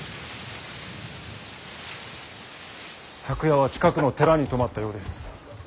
昨夜は近くの寺に泊まったようです。